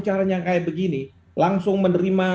caranya kayak begini langsung menerima